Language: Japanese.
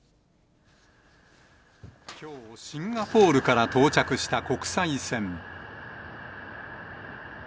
きょうシンガポールから到着した国際線。